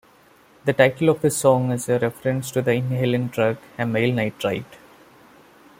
The title of the song is a reference to the inhalant drug amyl nitrite.